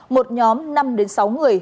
một nhóm năm sáu người